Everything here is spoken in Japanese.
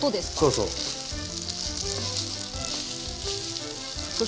そうそう。